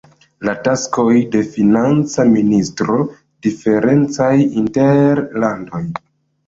La taskoj de financa ministro diferencaj inter landoj.